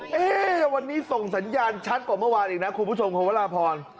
เอ๊วันนี้ส่งสัญญาณชัดกว่าเมื่อวานอีกนะคุณผู้ชมคุณวราพร